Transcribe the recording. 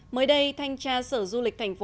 mới đây thanh tra sở du lịch thành phố